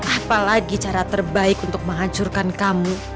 apalagi cara terbaik untuk menghancurkan kamu